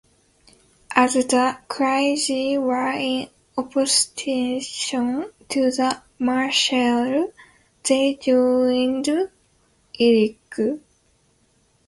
As the clergy were in opposition to the marshal, they joined Eric.